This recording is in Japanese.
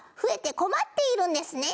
「困っているんですね」